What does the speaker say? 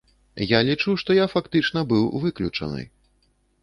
Я лічу, што я фактычна быў выключаны.